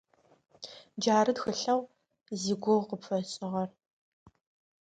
Джары тхылъэу зигугъу къыпфэсшӀыгъэр.